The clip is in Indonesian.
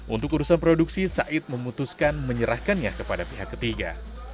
untuk urusan produksi said memutuskan menyerahkannya kepada pihak ketiga